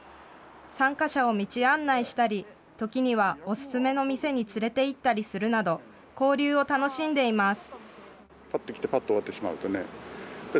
参加者を道案内したり、ときにはお勧めの店に連れて行ったりするなど、交流を楽しんでいます。